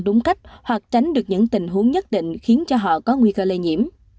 các trường hợp này có thể dùng cách hoặc tránh được những tình huống nhất định khiến cho họ có nguy cơ lây nhiễm